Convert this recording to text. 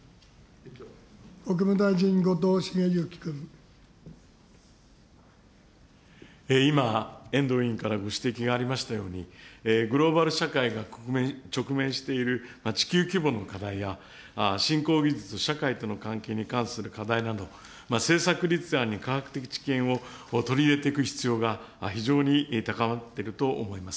国務大臣、今、遠藤委員からご指摘がありましたように、グローバル社会が直面している地球規模の課題や、新興技術、社会との関係に関する課題など、政策立案に科学的知見を取り入れていく必要が、非常に高まっていると思います。